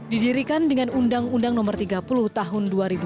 didirikan dengan undang undang no tiga puluh tahun dua ribu dua